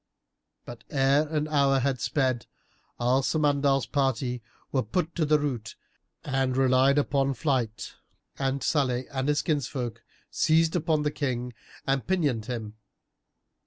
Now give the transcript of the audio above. But ere an hour had sped Al Samandal's party were put to the rout and relied upon flight, and Salih and his kinsfolk seized upon the King and pinioned him.